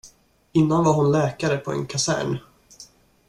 Innan var hon läkare på en kasern.